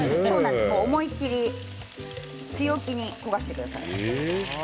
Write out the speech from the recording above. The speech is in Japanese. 思いっきり、強気に焦がしてください。